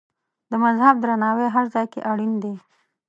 د مذهب درناوی هر ځای کې اړین دی.